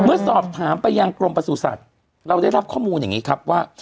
เมื่อสอบถามไปยังกรมประสุทธิ์เราได้รับข้อมูลอย่างนี้ครับว่า